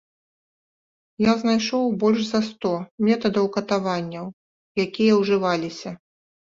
Я знайшоў больш за сто метадаў катаванняў, якія ўжываліся.